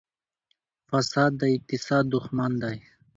فساد د اقتصاد دښمن دی.